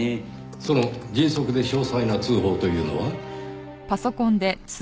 その迅速で詳細な通報というのは？